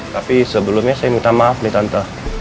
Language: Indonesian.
tapi sebelumnya saya minta maaf nih tante